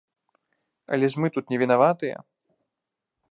Але ж мы тут не вінаватыя!